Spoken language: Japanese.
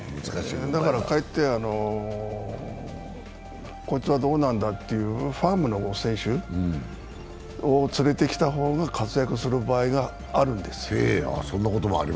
だから、かえって、こいつはどうなんだというファームの選手を連れてきた方が活躍する場合があるんです。